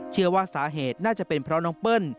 เชื่อว่าสาเหตุน่าจะเป็นเพราะน้องเปิ้ล